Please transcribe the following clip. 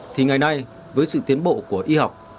thì ngày nay với sự tiến bộ của y học